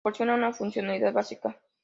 Proporcionan una funcionalidad básica.